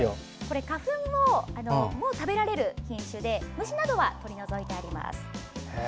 花粉も食べられる品種で虫などは取り除いてあります。